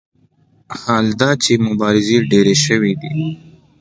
حال دا چې مبارزې ډېرې شوې دي.